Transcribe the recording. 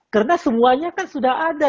karena semuanya kan sudah ada